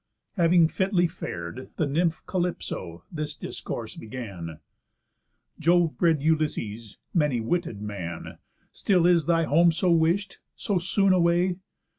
Having fitly far'd, The Nymph Calypso this discourse began: "Jove bred Ulysses! Many witted man! Still is thy home so wish'd? So soon, away?